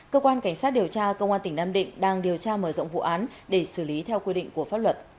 cơ quan cảnh sát điều tra công an tỉnh nam định đang điều tra mở rộng vụ án để xử lý theo quy định